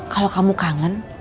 kalau kamu kangen